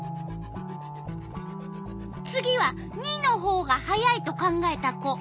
次は②のほうが速いと考えた子。